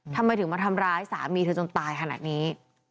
ทำไมถึงมาทำร้ายสามีเธอจนตายขนาดนี้